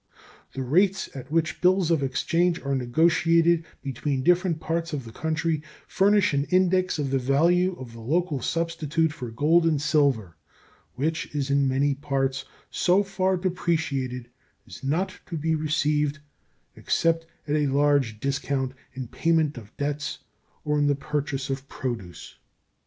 The rates at which bills of exchange are negotiated between different parts of the country furnish an index of the value of the local substitute for gold and silver, which is in many parts so far depreciated as not to be received except at a large discount in payment of debts or in the purchase of produce.